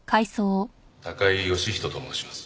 高井義人と申します。